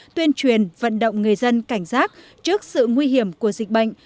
tuyên truyền vận động người dân cảnh giác trước sự nguy hiểm của dịch bệnh